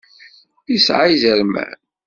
Isεa izerman.